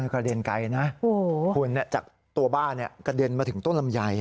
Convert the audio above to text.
กระเด็นไกลนะคุณจากตัวบ้านกระเด็นมาถึงต้นลำไย